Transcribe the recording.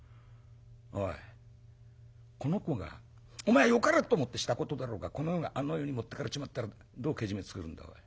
おいこの子がお前はよかれと思ってしたことだろうがこの子があの世に持ってかれちまったらどうけじめつけるんだおい。